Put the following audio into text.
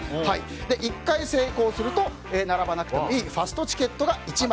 １回成功すると並ばなくてもいいファストチケットが１枚。